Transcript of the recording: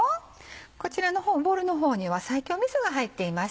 こちらの方ボウルの方には西京みそが入っています。